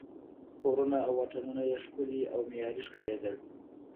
کورونه او واټونه یې ښکلي او معیاري ښکارېدل.